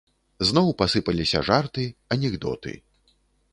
Зноў пасыпаліся жарты, анекдоты.